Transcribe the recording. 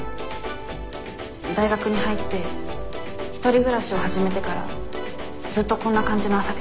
大学に入って１人暮らしを始めてからずっとこんな感じの朝でした。